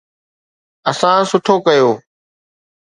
اسان سٺو ڪيو.